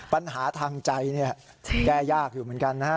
ปัญหาทางใจแก้ยากอยู่เหมือนกันนะฮะ